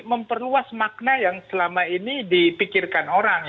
memperluas makna yang selama ini dipikirkan orang